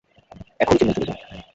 এখনি চেন্নাই চলে যাও।